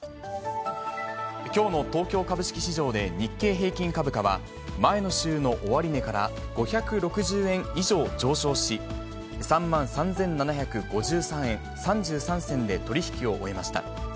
きょうの東京株式市場で日経平均株価は、前の週の終値から５６０円以上上昇し、３万３７５３円３３銭で取り引きを終えました。